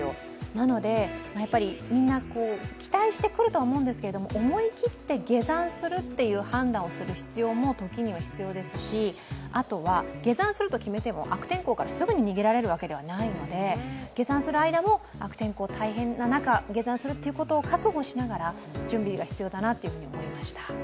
なので、やっぱりみんな期待して来るとは思うんですけど思い切って下山するという判断をする必要も時には必要ですしあとは下山すると決めても悪天候からすぐに逃げられるわけでもないので、下山する間も悪天候、大変な中下山するということを覚悟しながら準備が必要だなと感じました。